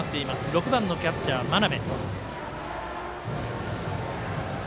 ６番のキャッチャー、真鍋。